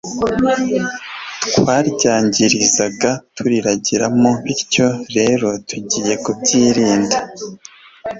twaryangirizaga turiragiramo bityo rero tugiye kubyirinda